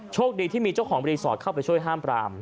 โชคดีที่มีเจ้าของรีสอร์ทเข้าไปช่วยห้ามปราม